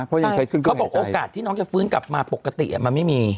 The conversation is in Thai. เขาบอกโอกาสที่น้องจะฟื้นกลับมาปกติมันไม่มี